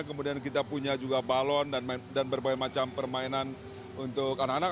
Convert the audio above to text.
kemudian kita punya juga balon dan berbagai macam permainan untuk anak anak